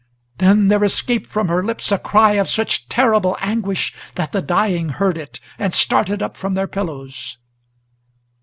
Then there escaped from her lips a cry of such terrible anguish, That the dying heard it, and started up from their pillows.